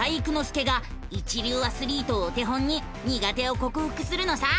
介が一流アスリートをお手本に苦手をこくふくするのさ！